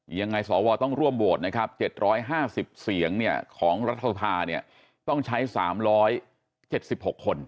ยังไงสวต้องร่วมโหวตนะครับ๗๕๐เสียงของรัฐสภาเนี่ยต้องใช้๓๗๖คน